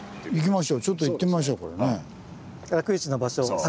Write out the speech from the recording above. ちょっと行ってみましょう。